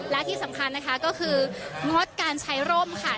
และที่สำคัญนะคะก็คืองดการใช้ร่มค่ะ